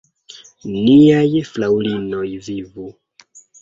Niaj fraŭlinoj vivu!